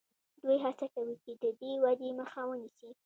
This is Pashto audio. دوی هڅه کوي چې د دې ودې مخه ونیسي.